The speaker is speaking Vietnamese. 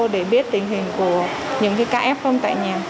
để biết tình hình của những cái cá f tại nhà